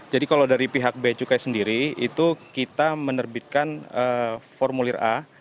jadi kalau dari pihak beacukai sendiri itu kita menerbitkan formulir a